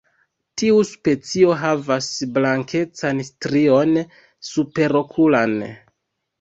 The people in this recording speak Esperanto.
Tiu specio havas blankecan strion superokulan.